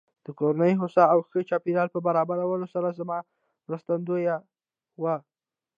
د کورنۍ هوسا او ښه چاپېريال په برابرولو سره زما مرستندويه وه.